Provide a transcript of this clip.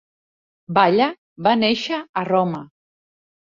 VALLA va néixer a Roma.